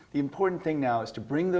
hal penting sekarang adalah